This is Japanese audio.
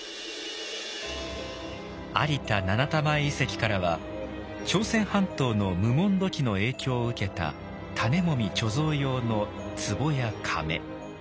有田七田前遺跡からは朝鮮半島の無文土器の影響を受けた種もみ貯蔵用の壺や甕。